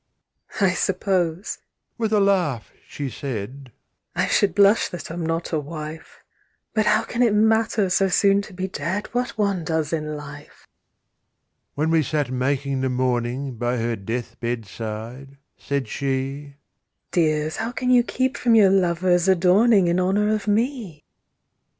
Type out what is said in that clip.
"I suppose," with a laugh, she said, "I should blush that I'm not a wife; But how can it matter, so soon to be dead, What one does in life!" When we sat making the mourning By her death bed side, said she, "Dears, how can you keep from your lovers, adorning In honour of me!"